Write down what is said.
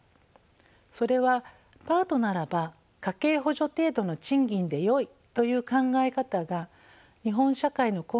それはパートならば家計補助程度の賃金でよいという考え方が日本社会の根底にあるからです。